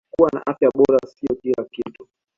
Kuwa na afya bora sio kila kitu